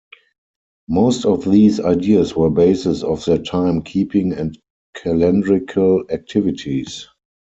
Most of these ideas were basis for their time keeping and calendrical activities.